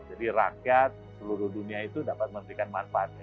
jadi rakyat seluruh dunia itu dapat memberikan manfaatnya